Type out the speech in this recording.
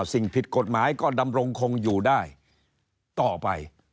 สิ่งผิดกฎหมายก็ดำรงคงอยู่ได้ต่อไป